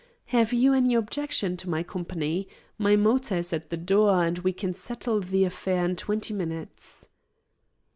Have you any objection to my company? My motor is at the door, and we can settle the affair in twenty minutes."